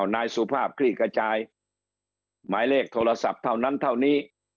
นายสุภาพคลี่กระจายหมายเลขโทรศัพท์เท่านั้นเท่านี้